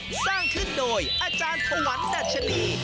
สร้างขึ้นโดยอาจารย์ถวันดัชนี